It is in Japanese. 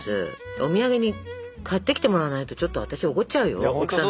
お土産に買ってきてもらわないとちょっと私怒っちゃうよ奥さんだったら。